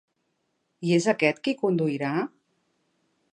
I és aquest qui conduirà?